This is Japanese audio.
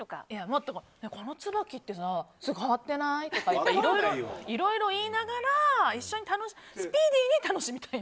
もっとこのツバキってさ変わってない？とかいろいろ言いながら一緒にスピーディーに楽しみたい。